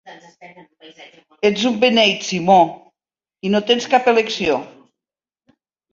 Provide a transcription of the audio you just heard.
Ets un beneït, Simó, i no tens cap elecció.